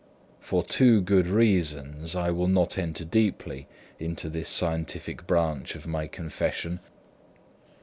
For two good reasons, I will not enter deeply into this scientific branch of my confession.